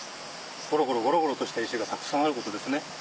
ゴロゴロゴロゴロとした石がたくさんあることですね。